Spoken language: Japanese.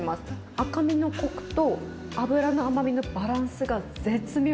赤身のこくと、脂の甘みのバランスが絶妙。